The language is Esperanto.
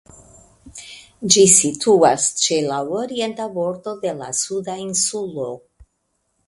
Ĝi situas ĉe la orienta bordo de la Suda Insulo.